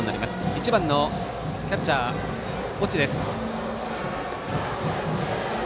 １番のキャッチャー、越智。